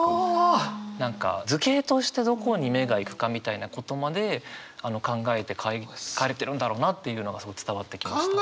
何か図形としてどこに目がいくかみたいなことまで考えて書かれてるんだろうなっていうのがすごい伝わってきました。